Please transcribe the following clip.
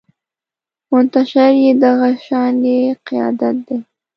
منتشر يې دغه شانې قیادت دی